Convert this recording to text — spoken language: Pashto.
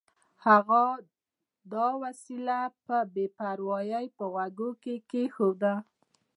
هغه دا وسیله په بې پروایۍ په غوږو کې کېښوده